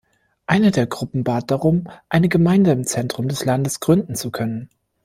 Eine der Gruppen bat darum, eine Gemeinde im Zentrum des Landes gründen zu können.